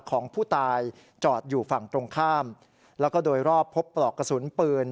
ของผู้ตายจอดอยู่ฝั่งตรงข้ามแล้วก็โดยรอบพบปลอกกระสุนปืน